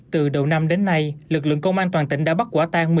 từ đầu năm đến nay lực lượng công an toàn tỉnh đã bắt quả tang